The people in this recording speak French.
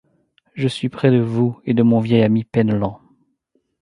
Je suis près de vous et de mon vieil ami Penellan!